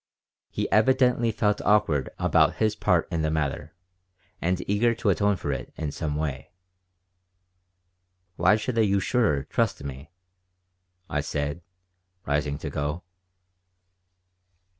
He evidently felt awkward about his part in the matter and eager to atone for it in some way "Why should a usurer trust me?" I said, rising to go.